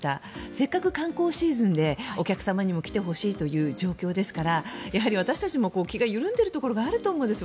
せっかく観光シーズンでお客様にも来てほしいという状況ですからやはり私たちも気が緩んでいるところがあると思うんです。